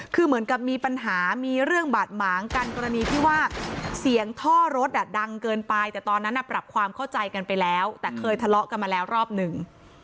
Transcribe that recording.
คือเหมือนกับมีปัญหามีเรื่องบาดหมางกันกรณีที่ว่าเสียงท่อรถดังเกินไปแต่ตอนนั้นปรับความเข้าใจกันไปแล้วแต่เคยทะเลาะกันมาแล้วรอบหนึ่ง